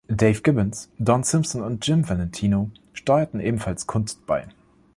Dave Gibbons, Don Simpson und Jim Valentino steuerten ebenfalls Kunst bei.